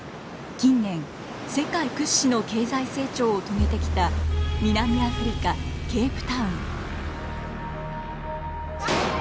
近年世界屈指の経済成長を遂げてきた南アフリカ・ケープタウン。